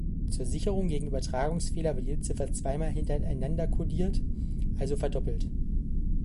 Zur Sicherung gegen Übertragungsfehler wird jede Ziffer zweimal hintereinander codiert, also verdoppelt.